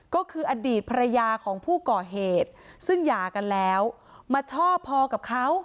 ก็คืออดีตภรรยาของผู้ก่อเหตุซึ่งหย่ากันแล้วมาชอบพอกับเขา